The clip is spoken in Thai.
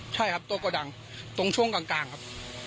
ใช่ครับตัวโกดังตรงช่วงกลางครับ